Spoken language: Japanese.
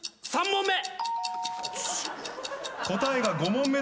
３問目。